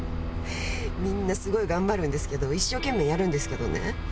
みんなすごい頑張るんですけど一生懸命やるんですけどね。